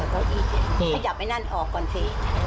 ขยับไอ้นั่นออกก่อนสิ